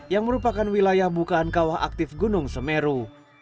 yang merupakan wilayah bukaan kawah aktif gunung semeru